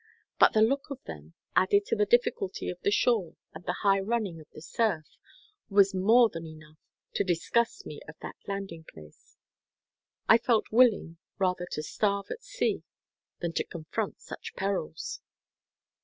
But the look of them, added to the difficulty of the shore and the high running of the surf, was more than enough to disgust me of that landing place. I felt willing rather to starve at sea than to confront such perils.